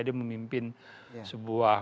dia memimpin sebuah